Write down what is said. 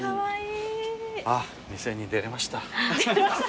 ああ店出れました。